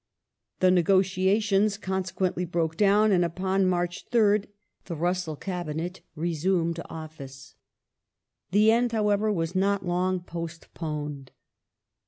The negotiations consequently broke down, and upon March 3rd the Russell Cabinet resumed office. The end, however, was not long postponed.